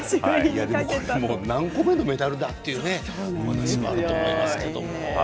何個目のメダルだというお話がありますけれども。